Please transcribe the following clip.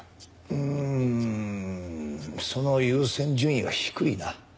うんその優先順位は低いな。